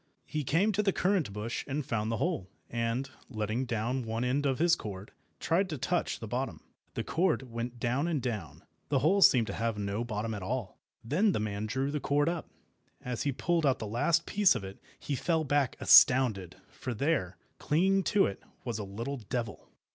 He came to the currant bush and found the hole, and, letting down one end of his cord, tried to touch the bottom. The cord went down and down—the hole seemed to have no bottom at all. Then the man drew the cord up. As he pulled out the last piece of it, he fell back astounded, for there, clinging to it, was a little devil.